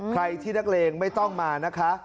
ใครที่นักเลงไม่ต้องมานะคะ